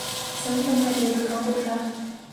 Santa Maria do Cambucá